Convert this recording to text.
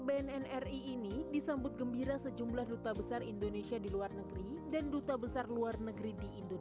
bnn republik indonesia memberikan apresiasi yang tinggi kepada semua pelanggan yang akan menerima pemberian bnn